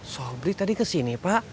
sobri tadi kesini pak